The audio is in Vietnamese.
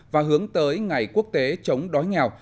và hướng tới ngày quốc tế chống đói nghèo